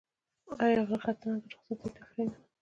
آیا غره ختنه د رخصتیو تفریح نه ده؟